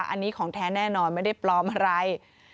อันนี้ของแท้แน่นอนไม่ได้ปลอมอะไร